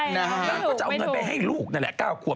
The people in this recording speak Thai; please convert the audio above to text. นางก็จะเอาเงินไปให้ลูกนั่นแหละ๙ขวบ